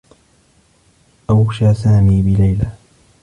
أوشى سامي بليلى.